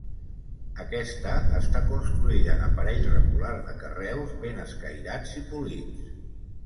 Aquesta està construïda en aparell regular de carreus ben escairats i polits.